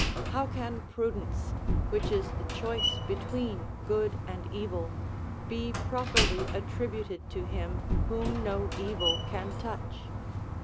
How can prudence, which is the choice between good and evil, be properly attributed to him whom no evil can touch?